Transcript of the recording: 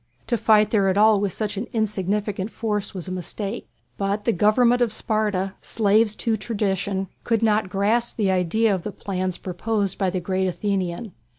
To fight there at all with such an insignificant force was a mistake. But the Government of Sparta, slaves to tradition, could not grasp the idea of the plans proposed by the great Athenian.